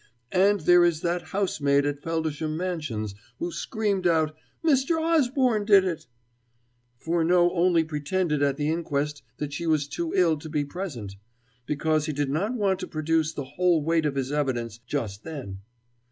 And there is that housemaid at Feldisham Mansions, who screamed out 'Mr. Osborne did it!' Furneaux only pretended at the inquest that she was too ill to be present, because he did not want to produce the whole weight of his evidence just then.